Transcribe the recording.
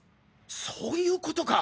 そういうことか！